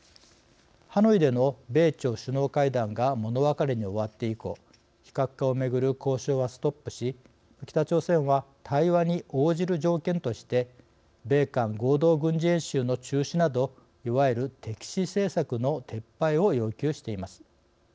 ハノイでの米朝首脳会談が物別れに終わって以降非核化をめぐる交渉はストップし北朝鮮は対話に応じる条件として米韓合同軍事演習の中止などいわゆる敵視政策の撤廃を要求しています。